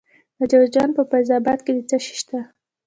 د جوزجان په فیض اباد کې څه شی شته؟